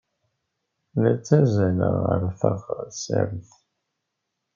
La ttazzaleɣ ɣer teɣsert.